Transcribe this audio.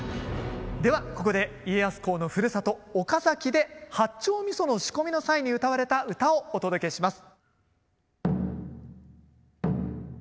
ではここで家康公のふるさと岡崎で八丁味噌の仕込みの際にうたわれた唄をお届けします。